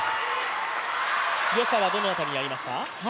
良さはどの辺りにありますか？